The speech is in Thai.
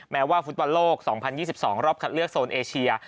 ว่าฟุตบอลโลก๒๐๒๒รอบคัดเลือกโซนเอเชีย